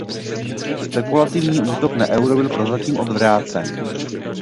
Spekulativní útok na euro byl prozatím odvrácen.